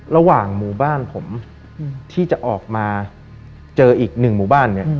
ระหว่างหมู่บ้านผมที่จะออกมาเจออีกหนึ่งหมู่บ้านเนี่ย